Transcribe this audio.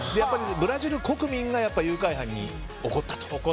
ブラジル国民が誘拐犯に怒ったと。